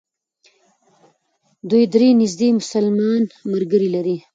دوی درې نژدې مسلمان ملګري لري.